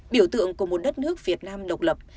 biểu tượng của một đất nước việt nam độc lập